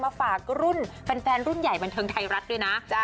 ฝากรุ่นแฟนรุ่นใหญ่บันเทิงไทยรัฐด้วยนะ